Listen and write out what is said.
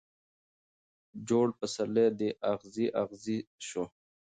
جوړ پسرلی دي اغزی اغزی سو